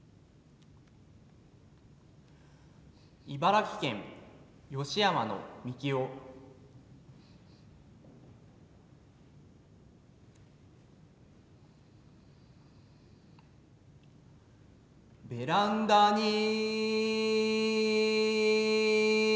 茨城県芳山の三喜雄ベランダに